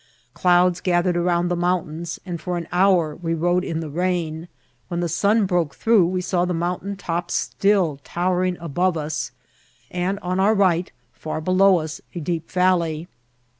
Clouds gathered around the mountains, and for an hour we rode in the rain ; when the sun broke through we saw the mountain tops still towering above us, and on our right, far below us, a deep valley.